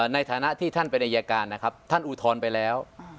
ในฐานะที่ท่านเป็นอายการนะครับท่านอุทธรณ์ไปแล้ว